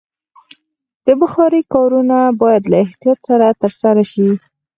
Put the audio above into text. د بخارۍ کارونه باید له احتیاط سره ترسره شي.